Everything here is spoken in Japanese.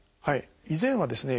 以前はですね